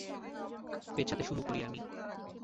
পেছাতে শুরু করি আমি।